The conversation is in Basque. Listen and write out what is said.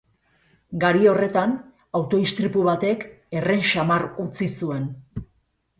Gari horretan, auto istripu batek herren samar utzi zuen.